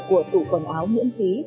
của tủ quần áo nguyễn khí